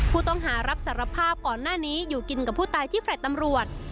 ผู้ต้องหารับสารภาพก่อนหน้านี้อยู่กินกับผู้ตายที่แฟลต์ตำรวจ